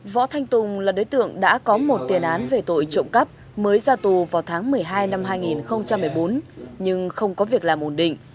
võ thanh tùng là đối tượng đã có một tiền án về tội trộm cắp mới ra tù vào tháng một mươi hai năm hai nghìn một mươi bốn nhưng không có việc làm ổn định